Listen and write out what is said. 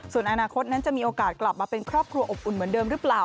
ส่วนอนาคตนั้นจะมีโอกาสกลับมาเป็นครอบครัวอบอุ่นเหมือนเดิมหรือเปล่า